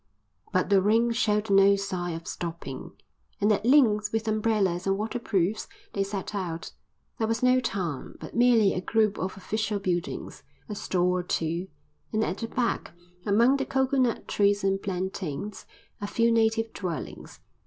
But the rain showed no sign of stopping, and at length with umbrellas and waterproofs they set out. There was no town, but merely a group of official buildings, a store or two, and at the back, among the coconut trees and plantains, a few native dwellings.